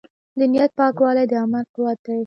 د نیت پاکوالی د عمل قوت دی.